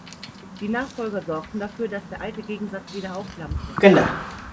Die Nachfolger sorgten dafür, dass der alte Gegensatz wieder aufflammte.